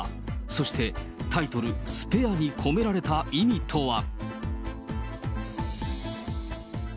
そして、タイトル、スペアに込められた意味とは。